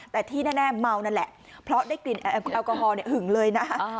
แต่ที่แน่เมานั่นแหละเพราะได้กลิ่นแอลกอฮอลหึงเลยนะ